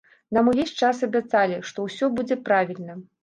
Нам увесь час абяцалі, што ўсё будзе правільна.